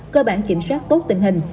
cơ bản kiểm soát tốt tình hình